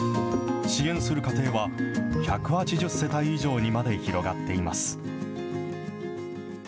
支援する家庭は１８０世帯以上にまで広がっています。